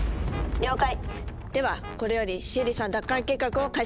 了解。